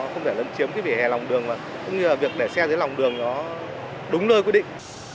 không để lấn chiếm cái vỉa hè lòng đường mà cũng như là việc để xe dưới lòng đường nó đúng nơi quy định